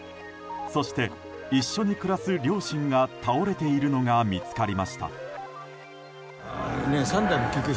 そして、一緒に暮らす両親が倒れているのが見つかりました。